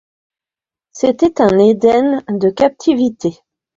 C'était un Eden de captivité.